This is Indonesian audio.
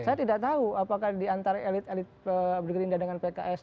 saya tidak tahu apakah diantara elit elit gerindra dengan pks